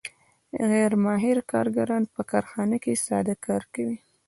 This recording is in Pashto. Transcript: غیر ماهر کارګران په کارخانه کې ساده کار کوي